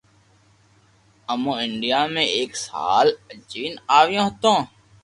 امو انڌيا مي ايڪ سال اجين آويو ھتو